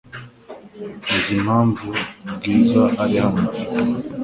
Nzi impamvu Bwiza ari hano .